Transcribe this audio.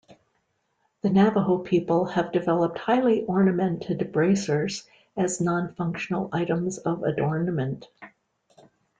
The Navajo people have developed highly ornamented bracers as non-functional items of adornment.